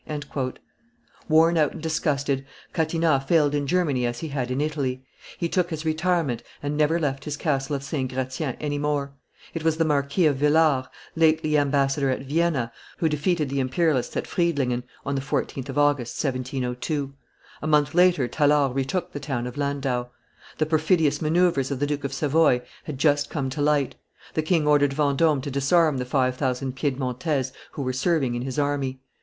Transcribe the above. '" Worn out and disgusted, Catinat failed in Germany as he had in Italy; he took his retirement, and never left his castle of St. Gratien any more: it was the Marquis of Villars, lately ambassador at Vienna, who defeated the imperialists at Friedlingen, on the 14th of August, 1702; a month later Tallard retook the town of Landau. The perfidious manoeuvres of the Duke of Savoy had just come to light. The king ordered Vendome to disarm the five thousand Piedmontese who were serving in his army.